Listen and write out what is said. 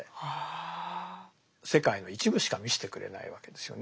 世界の一部しか見してくれないわけですよね。